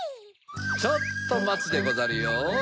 ちょっとまつでござるよ。